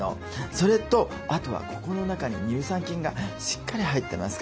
それとあとはここの中に乳酸菌がしっかり入ってますから。